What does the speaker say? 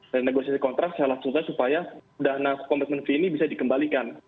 renegosiasi kontrak salah satunya supaya dana kompetensi ini bisa dikembalikan